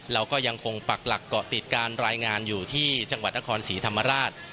แล้วก็ยังคงปักหลักเกาะติดการรายงานอยู่ที่จังหวัดนครศรีธรรมราช